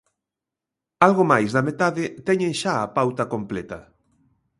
Algo máis da metade teñen xa a pauta completa.